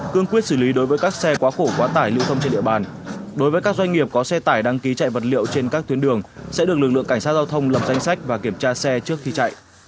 cương quyết xử lý đối với các xe quá khổ quá tải lưu thông trên địa bàn đối với các doanh nghiệp có xe tải đăng ký chạy vật liệu trên các tuyến đường sẽ được lực lượng cảnh sát giao thông lập danh sách và kiểm tra xe trước khi chạy